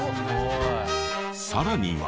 さらには。